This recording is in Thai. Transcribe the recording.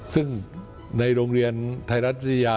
ซึ่งในโรงเรียนไทยรัฐวิทยา